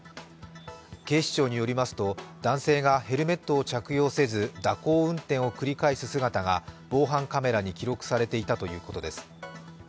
警視庁によりますと、男性がヘルメットを着用せず蛇行運転を繰り返す姿が防犯カメラに記録されていたということです。